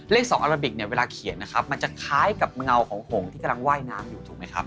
สองอาราบิกเนี่ยเวลาเขียนนะครับมันจะคล้ายกับเงาของหงที่กำลังว่ายน้ำอยู่ถูกไหมครับ